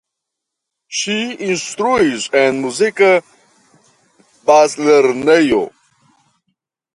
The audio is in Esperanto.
Ŝi instruis en muzika bazlernejo.